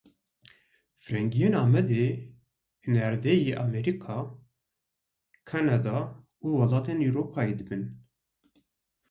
Firingiyên Amedê hinardeyî Amerîka, Kanada û welatên Ewropayê dibin.